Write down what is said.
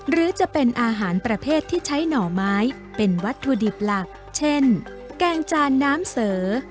หรือจะเป็นอาหารประเภทที่ใช้หน่อไม้เป็นวัตถุดิบหลักเช่นแกงจานน้ำเสอ